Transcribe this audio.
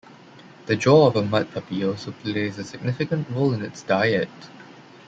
The jaw of a mudpuppy also plays a significant role in its diet.